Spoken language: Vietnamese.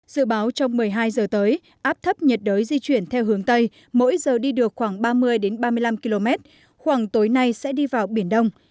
dự báo trong một mươi hai giờ tới áp thấp nhiệt đới di chuyển theo hướng tây mỗi giờ đi được khoảng ba mươi ba mươi năm km khoảng tối nay sẽ đi vào biển đông